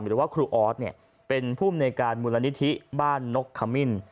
หรือว่าครูออสเป็นภูมิในการมูลนิธิบ้านนกขมิ้น